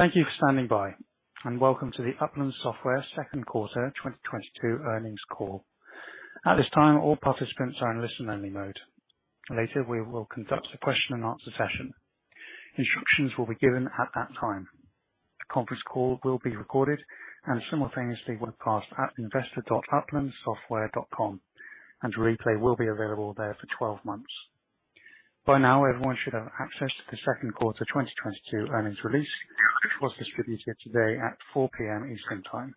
Thank you for standing by, and welcome to the Upland Software second quarter 2022 earnings call. At this time, all participants are in listen only mode. Later, we will conduct a question and answer session. Instructions will be given at that time. The conference call will be recorded and simultaneously webcast at investor.uplandsoftware.com, and a replay will be available there for 12 months. By now, everyone should have access to the second quarter 2022 earnings release, which was distributed today at 4:00 P.M. Eastern Time.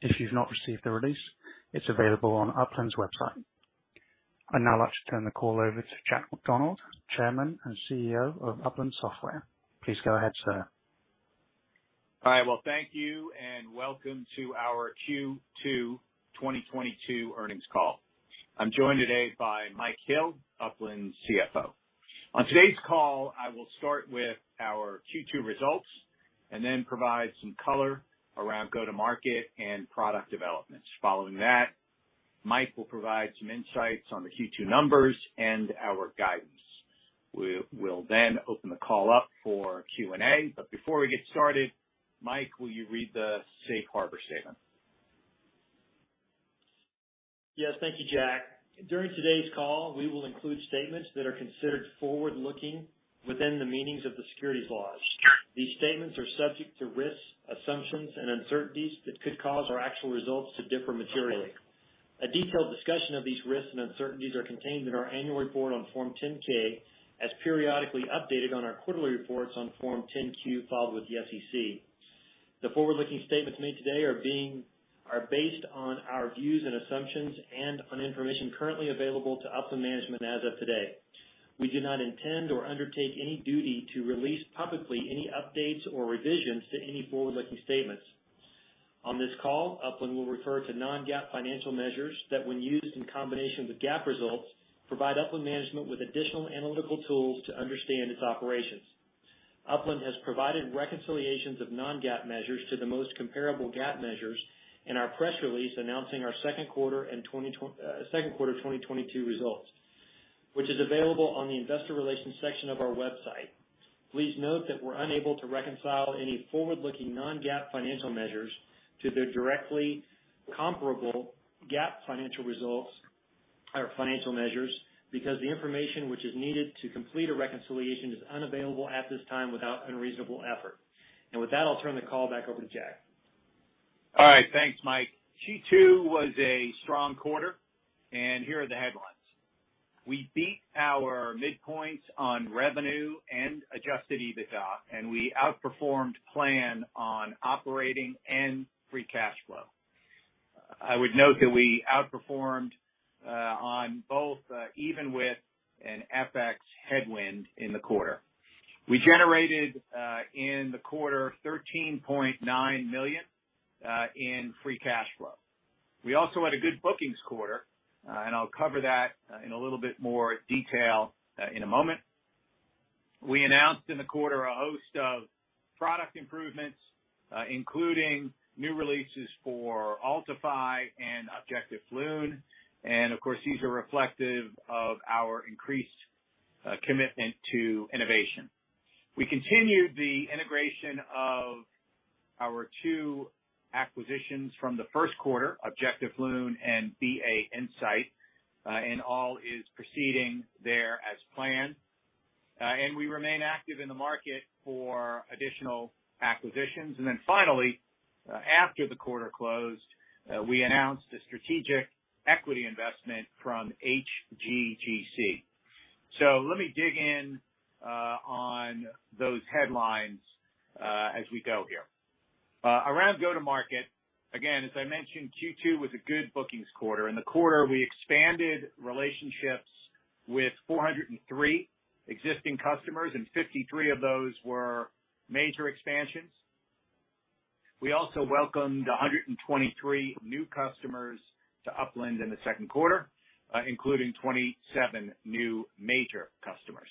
If you've not received the release, it's available on Upland's website. I'd now like to turn the call over to Jack McDonald, Chairman and CEO of Upland Software. Please go ahead, sir. All right. Well, thank you, and welcome to our Q2 2022 earnings call. I'm joined today by Mike Hill, Upland's CFO. On today's call, I will start with our Q2 results and then provide some color around go-to-market and product developments. Following that, Mike will provide some insights on the Q2 numbers and our guidance. We will then open the call up for Q&A. Before we get started, Mike, will you read the safe harbor statement? Yes. Thank you, Jack. During today's call, we will include statements that are considered forward-looking within the meanings of the securities laws. These statements are subject to risks, assumptions and uncertainties that could cause our actual results to differ materially. A detailed discussion of these risks and uncertainties are contained in our annual report on Form 10-K, as periodically updated on our quarterly reports on Form 10-Q filed with the SEC. The forward-looking statements made today are based on our views and assumptions and on information currently available to Upland management as of today. We do not intend or undertake any duty to release publicly any updates or revisions to any forward-looking statements. On this call, Upland will refer to non-GAAP financial measures that, when used in combination with GAAP results, provide Upland management with additional analytical tools to understand its operations. Upland has provided reconciliations of non-GAAP measures to the most comparable GAAP measures in our press release announcing our second quarter 2022 results, which is available on the investor relations section of our website. Please note that we're unable to reconcile any forward-looking non-GAAP financial measures to their directly comparable GAAP financial results or financial measures because the information which is needed to complete a reconciliation is unavailable at this time without unreasonable effort. With that, I'll turn the call back over to Jack. All right. Thanks, Mike. Q2 was a strong quarter, and here are the headlines. We beat our midpoints on revenue and Adjusted EBITDA, and we outperformed plan on operating and free cash flow. I would note that we outperformed on both even with an FX headwind in the quarter. We generated in the quarter $13.9 million in free cash flow. We also had a good bookings quarter, and I'll cover that in a little bit more detail in a moment. We announced in the quarter a host of product improvements, including new releases for Altify and Objectif Lune. Of course, these are reflective of our increased commitment to innovation. We continued the integration of our two acquisitions from the first quarter, Objectif Lune and BA Insight. All is proceeding there as planned. We remain active in the market for additional acquisitions. Then finally, after the quarter closed, we announced a strategic equity investment from HGGC. Let me dig in on those headlines as we go here. Around go-to-market, again, as I mentioned, Q2 was a good bookings quarter. In the quarter, we expanded relationships with 403 existing customers, and 53 of those were major expansions. We also welcomed 123 new customers to Upland in the second quarter, including 27 new major customers.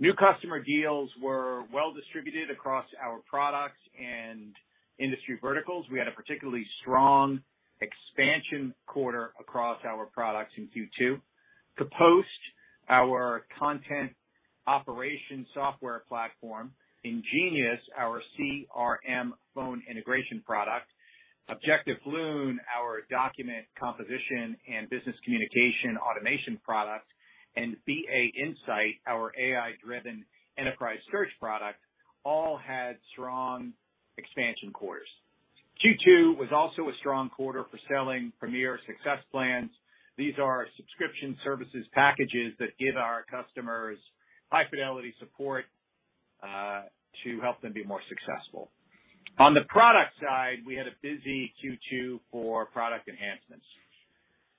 New customer deals were well distributed across our products and industry verticals. We had a particularly strong expansion quarter across our products in Q2. Kapost, our content operations software platform, InGenius, our CRM phone integration product, Objectif Lune, our document composition and business communication automation product, and BA Insight, our AI-driven enterprise search product, all had strong expansion quarters. Q2 was also a strong quarter for selling premier success plans. These are subscription services packages that give our customers high fidelity support to help them be more successful. On the product side, we had a busy Q2 for product enhancements.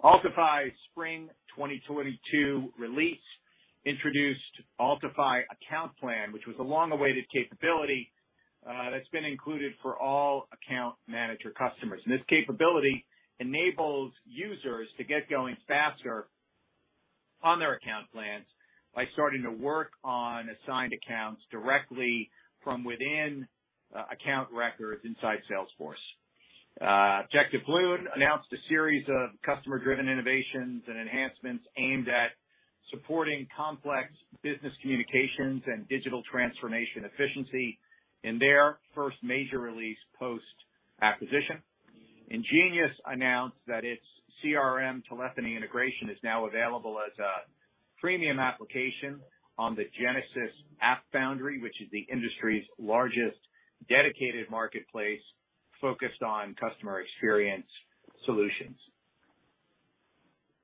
Altify's spring 2022 release introduced Altify Account Plan, which was a long-awaited capability that's been included for all account manager customers. This capability enables users to get going faster on their account plans by starting to work on assigned accounts directly from within account records inside Salesforce. Objectif Lune announced a series of customer-driven innovations and enhancements aimed at supporting complex business communications and digital transformation efficiency in their first major release post-acquisition. InGenius announced that its CRM telephony integration is now available as a premium application on the Genesys AppFoundry, which is the industry's largest dedicated marketplace focused on customer experience solutions.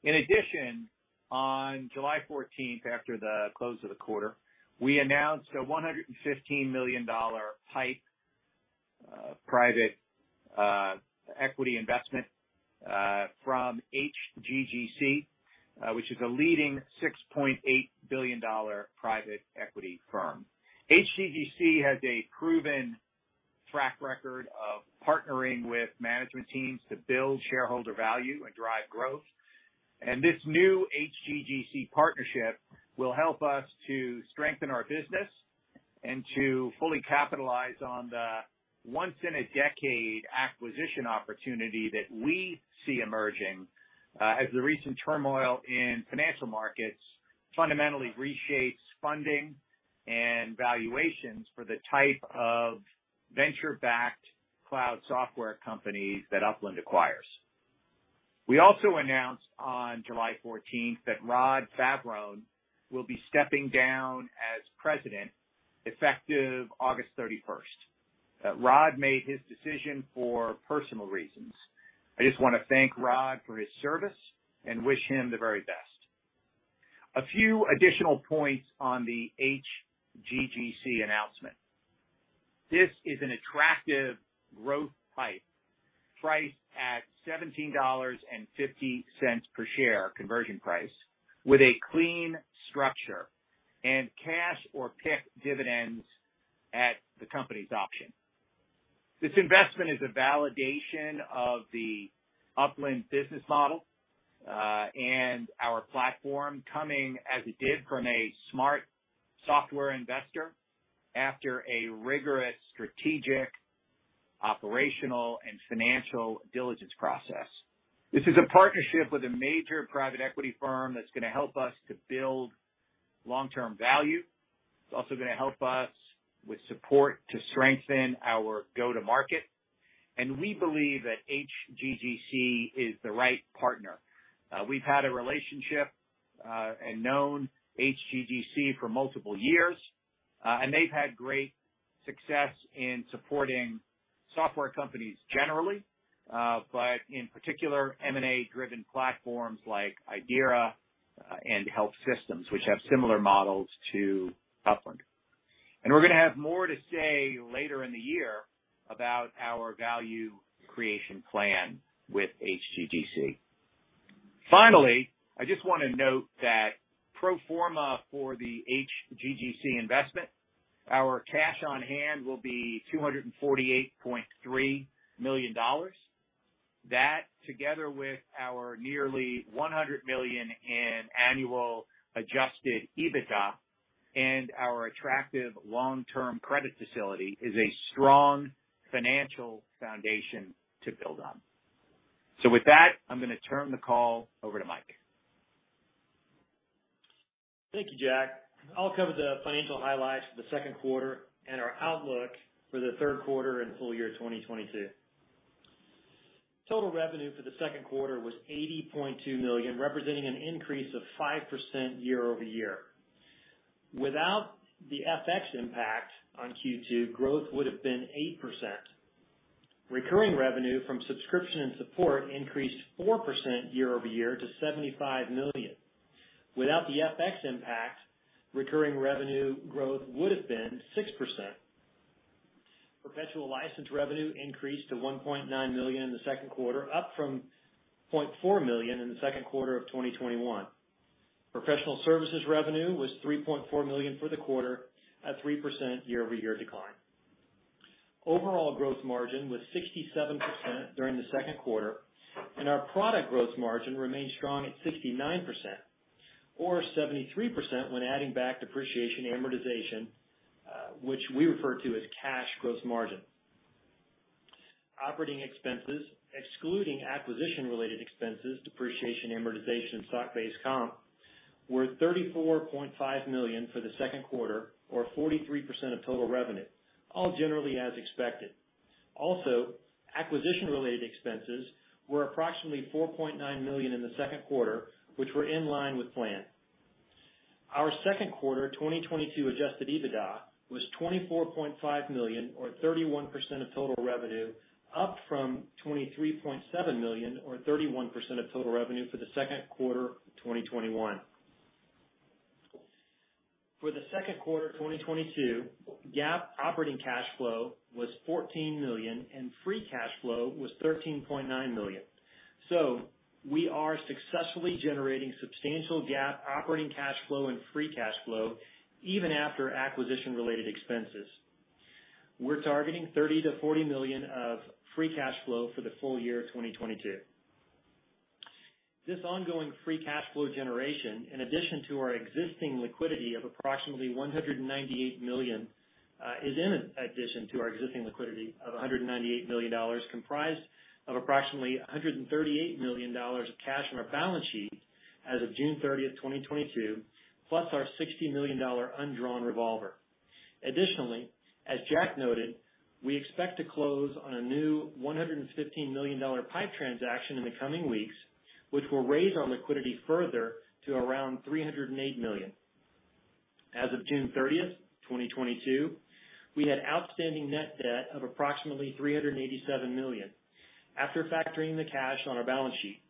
In addition, on July 14th, after the close of the quarter, we announced a $115 million PIPE private equity investment from HGGC, which is a leading $6.8 billion private equity firm. HGGC has a proven track record of partnering with management teams to build shareholder value and drive growth. This new HGGC partnership will help us to strengthen our business and to fully capitalize on the once in a decade acquisition opportunity that we see emerging, as the recent turmoil in financial markets fundamentally reshapes funding and valuations for the type of venture-backed cloud software companies that Upland acquires. We also announced on July 14th that Rod Favaron will be stepping down as president, effective August 31st. Rod made his decision for personal reasons. I just wanna thank Rod for his service and wish him the very best. A few additional points on the HGGC announcement. This is an attractive growth PIPE priced at $17.50 per share conversion price, with a clean structure and cash or PIK dividends at the company's option. This investment is a validation of the Upland business model, and our platform coming as it did from a smart software investor after a rigorous strategic, operational, and financial diligence process. This is a partnership with a major private equity firm that's gonna help us to build long-term value. It's also gonna help us with support to strengthen our go-to market, and we believe that HGGC is the right partner. We've had a relationship, and known HGGC for multiple years, and they've had great success in supporting software companies generally, but in particular, M&A-driven platforms like Idera, and HelpSystems, which have similar models to Upland. We're gonna have more to say later in the year about our value creation plan with HGGC. Finally, I just wanna note that pro forma for the HGGC investment, our cash on hand will be $248.3 million. That, together with our nearly $100 million in annual Adjusted EBITDA and our attractive long-term credit facility, is a strong financial foundation to build on. With that, I'm gonna turn the call over to Mike. Thank you, Jack. I'll cover the financial highlights for the second quarter and our outlook for the third quarter and full year 2022. Total revenue for the second quarter was $80.2 million, representing an increase of 5% year-over-year. Without the FX impact on Q2, growth would have been 8%. Recurring revenue from subscription and support increased 4% year-over-year to $75 million. Without the FX impact, recurring revenue growth would have been 6%. Perpetual license revenue increased to $1.9 million in the second quarter, up from $0.4 million in the second quarter of 2021. Professional services revenue was $3.4 million for the quarter at 3% year-over-year decline. Overall growth margin was 67% during the second quarter, and our product growth margin remained strong at 69%, or 73% when adding back depreciation and amortization, which we refer to as cash growth margin. Operating expenses, excluding acquisition-related expenses, depreciation, amortization, and stock-based comp, were $34.5 million for the second quarter or 43% of total revenue, all generally as expected. Also, acquisition-related expenses were approximately $4.9 million in the second quarter, which were in line with plan. Our second quarter 2022 Adjusted EBITDA was $24.5 million or 31% of total revenue, up from $23.7 million or 31% of total revenue for the second quarter 2021. For the second quarter 2022, GAAP operating cash flow was $14 million, and free cash flow was $13.9 million. We are successfully generating substantial GAAP operating cash flow and free cash flow even after acquisition-related expenses. We're targeting $30-$40 million of free cash flow for the full year 2022. This ongoing free cash flow generation, in addition to our existing liquidity of approximately $198 million, comprised of approximately $138 million of cash on our balance sheet as of June 30, 2022, plus our $60 million undrawn revolver. Additionally, as Jack noted, we expect to close on a new $115 million PIPE transaction in the coming weeks, which will raise our liquidity further to around $308 million. As of June 30th, 2022, we had outstanding net debt of approximately $387 million after factoring the cash on our balance sheet.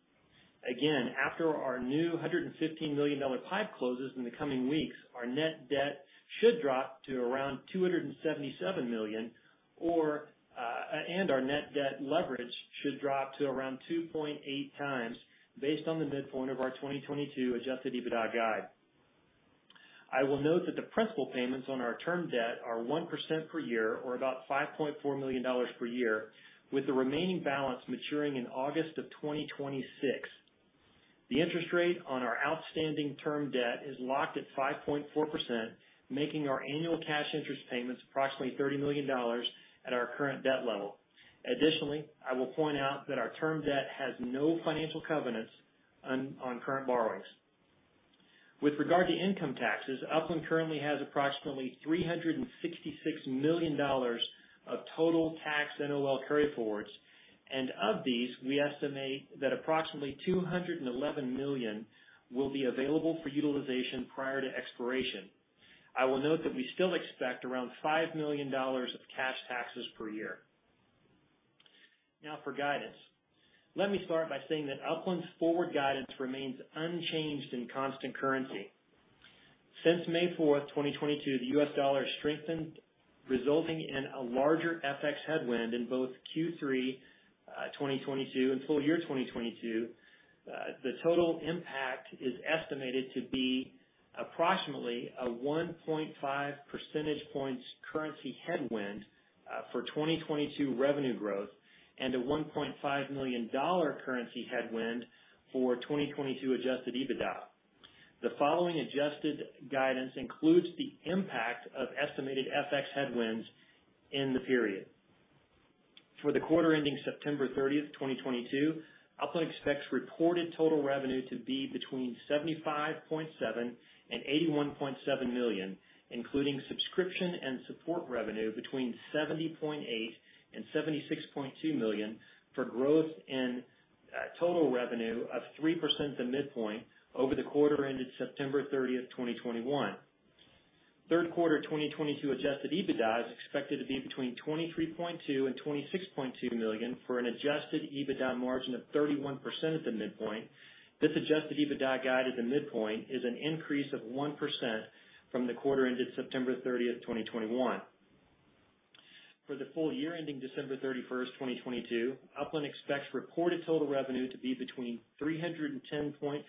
Again, after our new $115 million PIPE closes in the coming weeks, our net debt should drop to around $277 million or, and our net debt leverage should drop to around 2.8x based on the midpoint of our 2022 Adjusted EBITDA guide. I will note that the principal payments on our term debt are 1% per year or about $5.4 million per year, with the remaining balance maturing in August 2026. The interest rate on our outstanding term debt is locked at 5.4%, making our annual cash interest payments approximately $30 million at our current debt level. Additionally, I will point out that our term debt has no financial covenants on current borrowings. With regard to income taxes, Upland currently has approximately $366 million of total tax NOL carryforwards, and of these, we estimate that approximately $211 million will be available for utilization prior to expiration. I will note that we still expect around $5 million of cash taxes per year. Now for guidance. Let me start by saying that Upland's forward guidance remains unchanged in constant currency. Since May 4, 2022, the US dollar strengthened, resulting in a larger FX headwind in both Q3 2022 and full year 2022. The total impact is estimated to be approximately a 1.5 percentage points currency headwind for 2022 revenue growth and a $1.5 million currency headwind for 2022 adjusted EBITDA. The following adjusted guidance includes the impact of estimated FX headwinds in the period. For the quarter ending September 30, 2022, Upland expects reported total revenue to be between $75.7 million and $81.7 million, including subscription and support revenue between $70.8 million and $76.2 million for growth in total revenue of 3% at the midpoint over the quarter ended September 30th, 2021. Third quarter 2022 adjusted EBITDA is expected to be between $23.2 million and $26.2 million for an adjusted EBITDA margin of 31% at the midpoint. This adjusted EBITDA guide at the midpoint is an increase of 1% from the quarter ended September 30th, 2021. For the full year ending December 31st, 2022, Upland expects reported total revenue to be between $310.5 million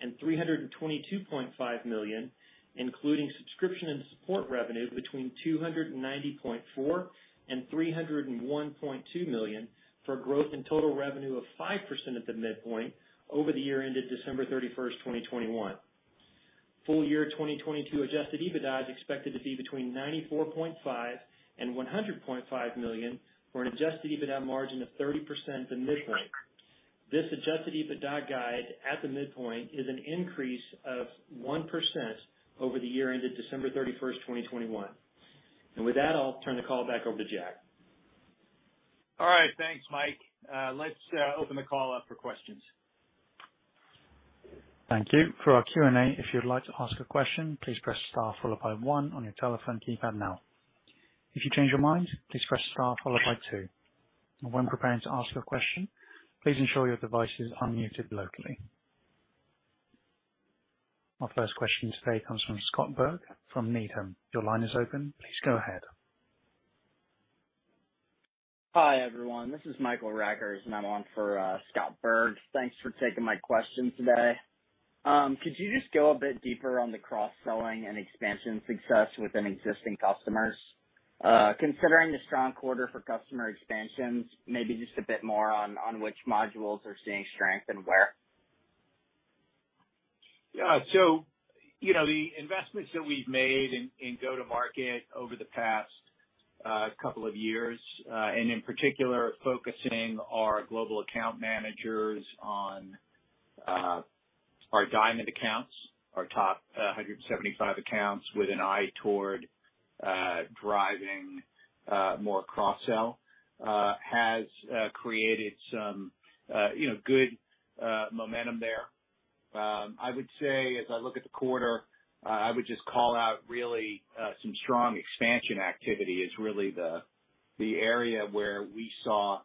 and $322.5 million, including subscription and support revenue between $290.4 million and $301.2 million for growth in total revenue of 5% at the midpoint over the year ended December 31st, 2021. Full year 2022 adjusted EBITDA is expected to be between $94.5 million and $100.5 million for an adjusted EBITDA margin of 30% at the midpoint. This adjusted EBITDA guide at the midpoint is an increase of 1% over the year ended December 31st, 2021. With that, I'll turn the call back over to Jack. All right. Thanks, Mike. Let's open the call up for questions. Thank you. For our Q&A, if you'd like to ask a question, please press star followed by one on your telephone keypad now. If you change your mind, please press star followed by two. When preparing to ask your question, please ensure your device is unmuted locally. Our first question today comes from Scott Berg from Needham. Your line is open. Please go ahead. Hi, everyone. This is Mike Rackers, and I'm on for Scott Berg. Thanks for taking my question today. Could you just go a bit deeper on the cross-selling and expansion success within existing customers? Considering the strong quarter for customer expansions, maybe just a bit more on which modules are seeing strength and where? Yeah. You know, the investments that we've made in go-to-market over the past couple of years and in particular focusing our global account managers on our diamond accounts, our top 175 accounts with an eye toward driving more cross-sell has created some you know good momentum there. I would say as I look at the quarter, I would just call out really some strong expansion activity is really the area where we saw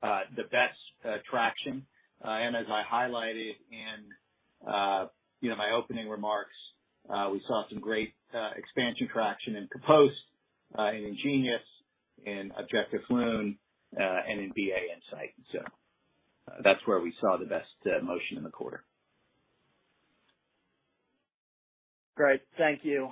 the best traction. As I highlighted in you know my opening remarks, we saw some great expansion traction in Compose, in InGenius, in Objectif Lune, and in BA Insight. That's where we saw the best motion in the quarter. Great. Thank you.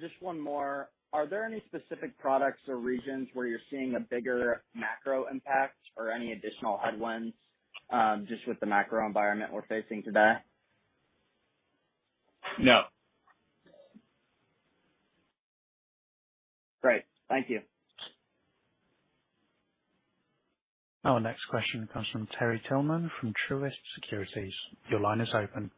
Just one more. Are there any specific products or regions where you're seeing a bigger macro impact or any additional headwinds, just with the macro environment we're facing today? No. Great. Thank you. Our next question comes from Terry Tillman from Truist Securities. Your line is open.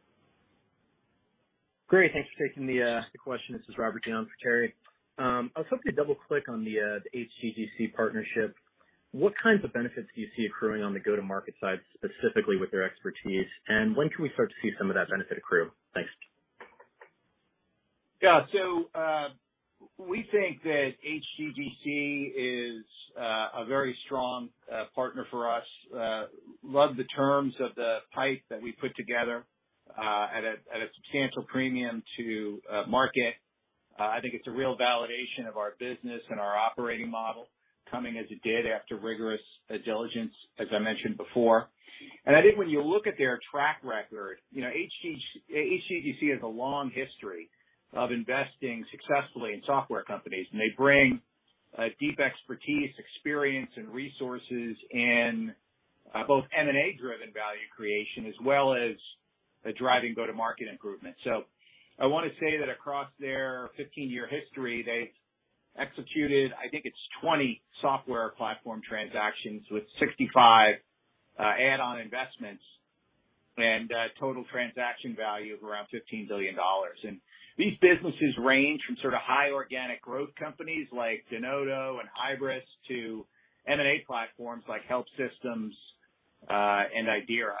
Great. Thanks for taking the question. This is Robert Dee for Terry. I was hoping to double click on the HGGC partnership. What kinds of benefits do you see accruing on the go-to-market side, specifically with their expertise, and when can we start to see some of that benefit accrue? Thanks. Yeah. We think that HGGC is a very strong partner for us. Love the terms of the PIPE that we put together at a substantial premium to market. I think it's a real validation of our business and our operating model coming as it did after rigorous due diligence, as I mentioned before. I think when you look at their track record, you know, HGGC has a long history of investing successfully in software companies, and they bring deep expertise, experience, and resources in both M&A driven value creation as well as driving go-to-market improvement. I wanna say that across their 15-year history, they've executed, I think it's 20 software platform transactions with 65 add-on investments and total transaction value of around $15 billion. These businesses range from sort of high organic growth companies like Denodo and Hybris to M&A platforms like HelpSystems and Idera.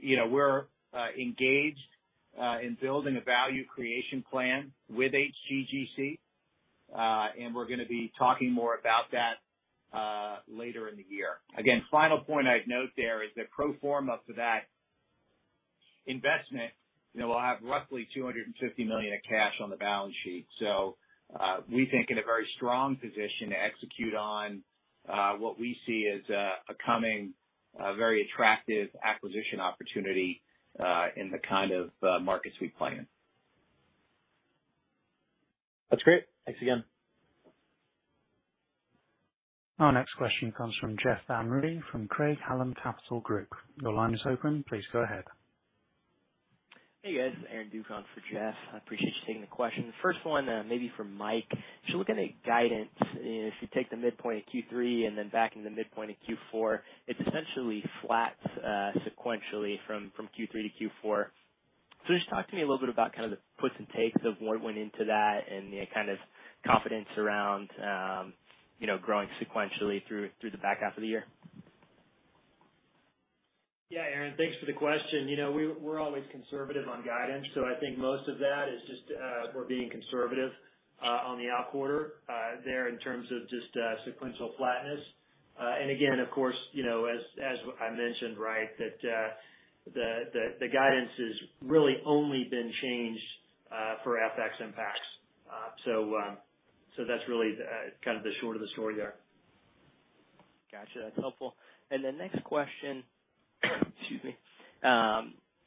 You know, we're engaged in building a value creation plan with HGGC, and we're gonna be talking more about that later in the year. Again, final point I'd note there is the pro forma for that investment, you know, we'll have roughly $250 million in cash on the balance sheet. We think in a very strong position to execute on what we see as a coming very attractive acquisition opportunity in the kind of markets we play in. That's great. Thanks again. Our next question comes from Jeff Van Rhee from Craig-Hallum Capital Group. Your line is open. Please go ahead. Hey, guys. This is Aaron Spychalla for Jeff Van Rhee. I appreciate you taking the question. The first one, maybe for Mike Hill. If you look at the guidance, if you take the midpoint of Q3 and then add in the midpoint of Q4, it's essentially flat sequentially from Q3 to Q4. Just talk to me a little bit about kind of the puts and takes of what went into that and the kind of confidence around, you know, growing sequentially through the back half of the year. Yeah, Aaron, thanks for the question. You know, we're always conservative on guidance, so I think most of that is just, we're being conservative, on the out quarter, there in terms of just, sequential flatness. Again, of course, you know, as I mentioned, right, that the guidance has really only been changed, for FX impacts. That's really kind of the short of the story there. Gotcha. That's helpful. The next question. Excuse me.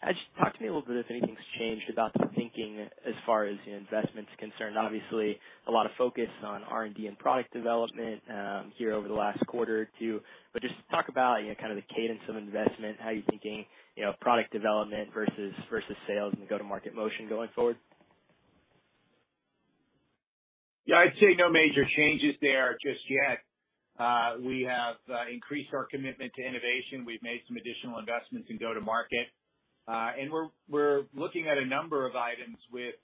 Just talk to me a little bit if anything's changed about the thinking as far as investment's concerned. Obviously, a lot of focus on R&D and product development here over the last quarter or two. Just talk about, you know, kind of the cadence of investment, how you're thinking, you know, product development versus sales and go-to-market motion going forward. Yeah, I'd say no major changes there just yet. We have increased our commitment to innovation. We've made some additional investments in go-to-market. We're looking at a number of items with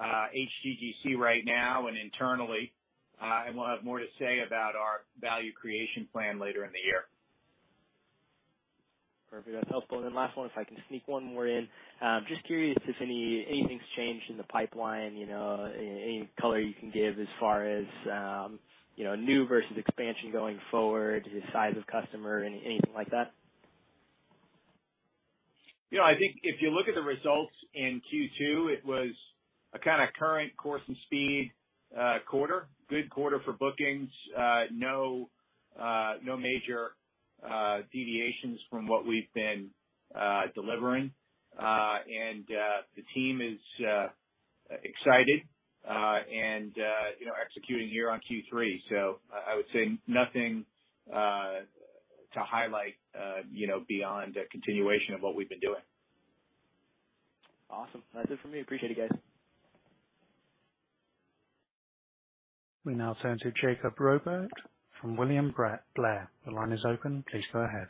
HGGC right now and internally, and we'll have more to say about our value creation plan later in the year. Perfect. That's helpful. Last one, if I can sneak one more in. Just curious if anything's changed in the pipeline, you know, any color you can give as far as, you know, new versus expansion going forward, the size of customer, anything like that? You know, I think if you look at the results in Q2, it was a kind of current course and speed quarter. Good quarter for bookings. No major deviations from what we've been delivering. The team is excited and you know executing here on Q3. I would say nothing to highlight, you know, beyond a continuation of what we've been doing. Awesome. That's it for me. Appreciate it, guys. We now turn to Arjun Bhatia from William Blair. The line is open. Please go ahead.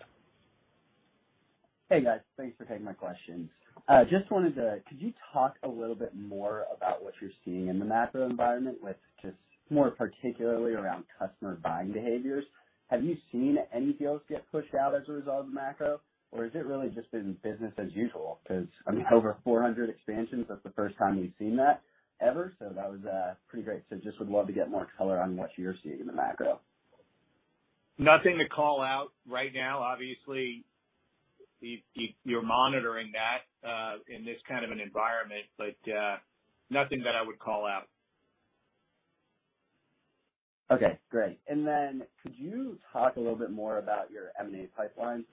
Hey, guys. Thanks for taking my questions. Could you talk a little bit more about what you're seeing in the macro environment with just more particularly around customer buying behaviors? Have you seen any deals get pushed out as a result of the macro, or has it really just been business as usual? Because, I mean, over 400 expansions, that's the first time we've seen that ever. That was pretty great. Just would love to get more color on what you're seeing in the macro. Nothing to call out right now. Obviously, you're monitoring that, in this kind of an environment, but, nothing that I would call out. Okay, great. Could you talk a little bit more about your M&A pipeline?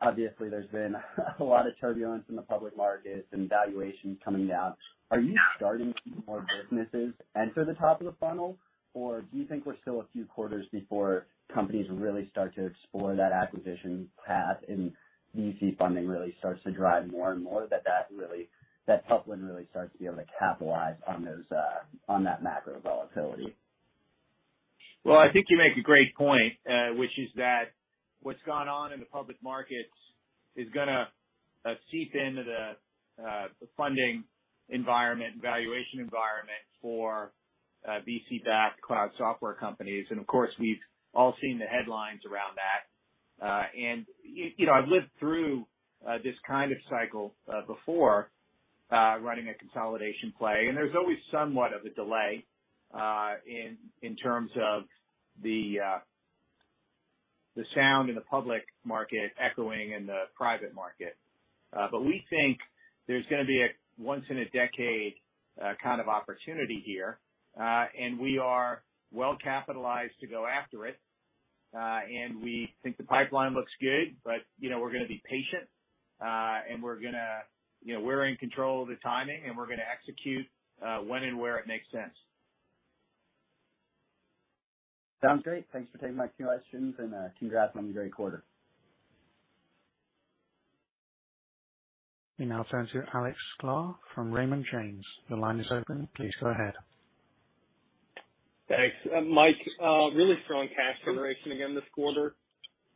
Obviously there's been a lot of turbulence in the public markets and valuations coming down. Are you starting to see more businesses enter the top of the funnel, or do you think we're still a few quarters before companies really start to explore that acquisition path and VC funding really starts to drive more and more that Upland really starts to be able to capitalize on those, on that macro volatility? Well, I think you make a great point, which is that what's gone on in the public markets is gonna seep into the funding environment and valuation environment for VC-backed cloud software companies. Of course, we've all seen the headlines around that. You know, I've lived through this kind of cycle before running a consolidation play, and there's always somewhat of a delay in terms of the sound in the public market echoing in the private market. We think there's gonna be a once in a decade kind of opportunity here, and we are well capitalized to go after it. We think the pipeline looks good, but you know, we're gonna be patient, and we're gonna, you know, we're in control of the timing and we're gonna execute when and where it makes sense. Sounds great. Thanks for taking my questions and, congrats on a great quarter. We now turn to Alex Sklar from Raymond James. Your line is open. Please go ahead. Thanks. Mike, really strong cash generation again this quarter.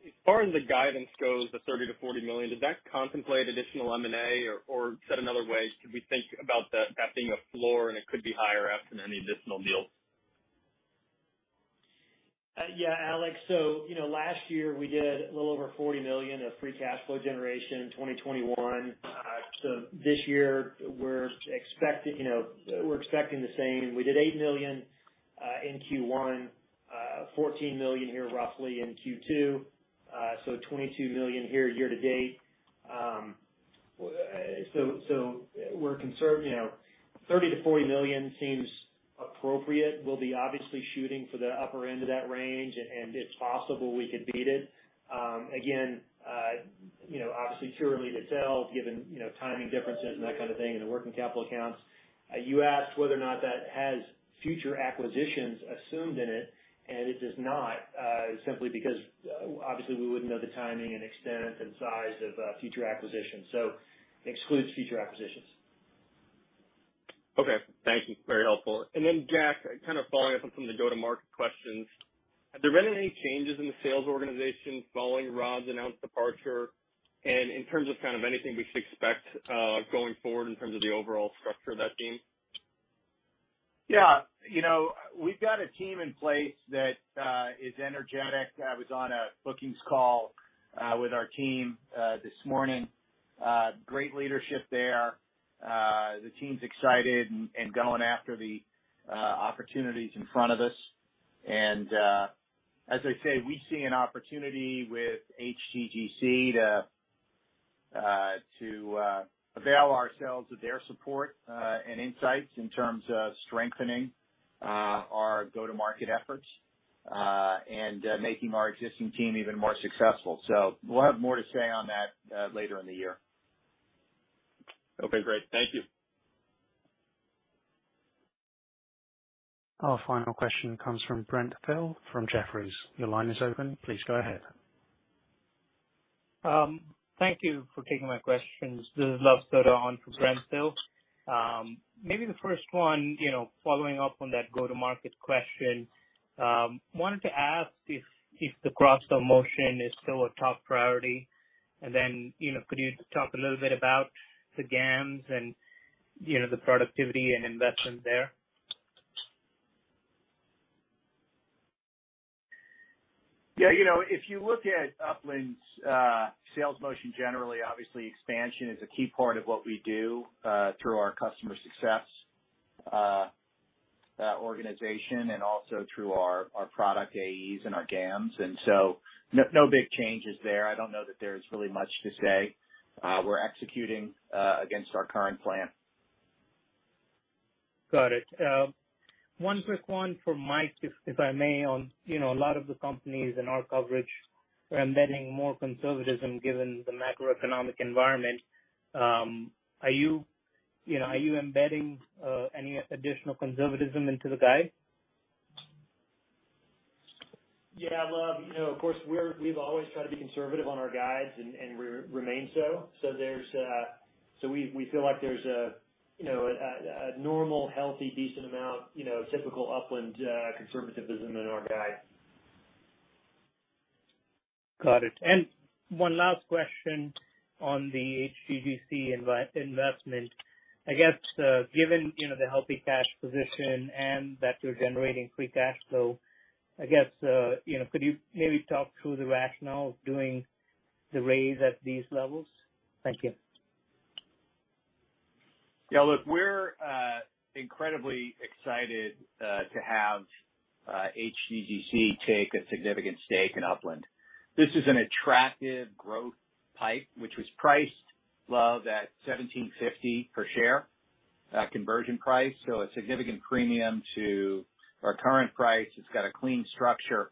As far as the guidance goes, the $30 million-$40 million, does that contemplate additional M&A or said another way, should we think about that being a floor and it could be higher after any additional deals? Yeah, Alex. You know, last year we did a little over $40 million of free cash flow generation in 2021. This year we're expecting, you know, we're expecting the same. We did $8 million in Q1, $14 million here roughly in Q2. $22 million here year to date. You know, $30-$40 million seems appropriate. We'll be obviously shooting for the upper end of that range, and it's possible we could beat it. Again, you know, obviously too early to tell given, you know, timing differences and that kind of thing in the working capital accounts. You asked whether or not that has future acquisitions assumed in it, and it does not, simply because, obviously we wouldn't know the timing and extent and size of future acquisitions. It excludes future acquisitions. Okay. Thank you. Very helpful. Jack, kind of following up on some of the go-to-market questions. Have there been any changes in the sales organization following Rod's announced departure? In terms of kind of anything we should expect, going forward in terms of the overall structure of that team? Yeah, you know, we've got a team in place that is energetic. I was on a bookings call with our team this morning. Great leadership there. The team's excited and going after the opportunities in front of us. As I say, we see an opportunity with HGGC to avail ourselves of their support and insights in terms of strengthening our go-to-market efforts and making our existing team even more successful. We'll have more to say on that later in the year. Okay, great. Thank you. Our final question comes from Brent Thill from Jefferies. Your line is open. Please go ahead. Thank you for taking my questions. This is Luv Sodha on for Brent Thill. Maybe the first one, you know, following up on that go to market question, wanted to ask if the cross-sell motion is still a top priority. You know, could you talk a little bit about the GAMs and, you know, the productivity and investment there? Yeah, you know, if you look at Upland's sales motion generally, obviously expansion is a key part of what we do through our customer success organization and also through our product AEs and our GAMs. No big changes there. I don't know that there's really much to say. We're executing against our current plan. Got it. One quick one for Mike, if I may, on, you know, a lot of the companies in our coverage are embedding more conservatism given the macroeconomic environment. Are you know, embedding any additional conservatism into the guide? Yeah. Luv, you know, of course we've always tried to be conservative on our guides and remain so. We feel like there's a, you know, a normal, healthy, decent amount, you know, typical Upland conservatism in our guide. Got it. One last question on the HGGC investment. I guess, given, you know, the healthy cash position and that you're generating free cash flow, I guess, you know, could you maybe talk through the rationale of doing the raise at these levels? Thank you. Yeah, look, we're incredibly excited to have HGGC take a significant stake in Upland. This is an attractive growth PIPE which was priced, Luv, at $17.50 per share conversion price, so a significant premium to our current price. It's got a clean structure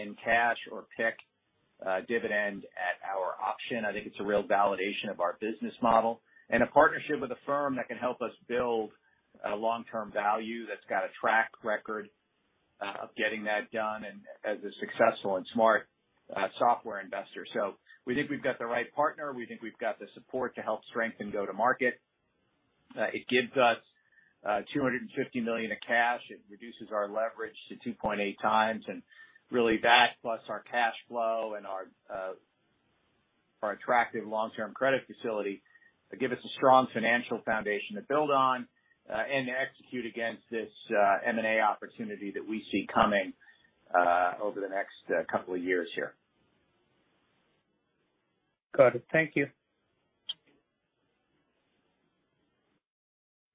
in cash or PIK dividend at our option. I think it's a real validation of our business model and a partnership with a firm that can help us build long-term value that's got a track record of getting that done and is a successful and smart software investor. We think we've got the right partner. We think we've got the support to help strengthen go to market. It gives us $250 million of cash. It reduces our leverage to 2.8x. Really, that plus our cash flow and our attractive long-term credit facility give us a strong financial foundation to build on and to execute against this M&A opportunity that we see coming over the next couple of years here. Got it. Thank you.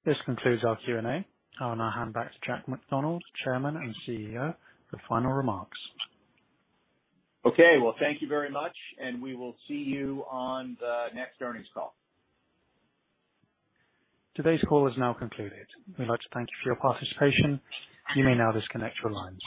This concludes our Q&A. I'll now hand back to Jack McDonald, Chairman and CEO, for final remarks. Okay. Well, thank you very much, and we will see you on the next earnings call. Today's call is now concluded. We'd like to thank you for your participation. You may now disconnect your lines.